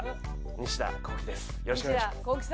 西田亘輝です。